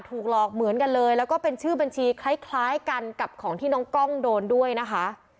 ถูกหลอกเหมือนกันเลยแล้วก็เป็นชื่อบัญชีคล้ายกันกับของที่น้องกล้องโดนด้วยนะคะ